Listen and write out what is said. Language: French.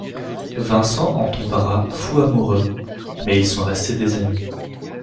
Vincent en tombera fou amoureux, mais ils sont restés des amis.